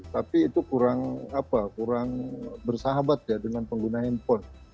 tapi itu kurang bersahabat ya dengan pengguna handphone